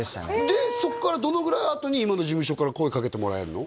でそこからどのぐらいあとに今の事務所から声かけてもらえるの？